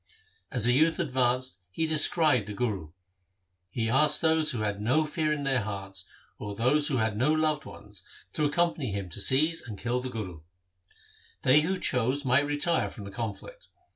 As the youth advanced he descried the Guru. He asked those who had no fear in their hearts or those who had no loved ones, to accom pany him to seize and kill the Guru. They who chose might retire from the conflict.